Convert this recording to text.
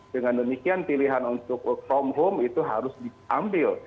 dengan demikian pilihan untuk work from home itu harus diambil